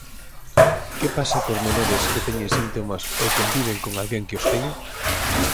Que pasa cos menores que teñen síntomas ou conviven con alguén que os teña?